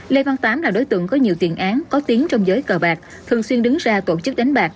lê văn tám là đối tượng có nhiều tiền án có tiếng trong giới cờ bạc thường xuyên đứng ra tổ chức đánh bạc